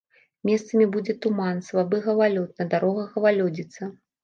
Месцамі будзе туман, слабы галалёд, на дарогах галалёдзіца.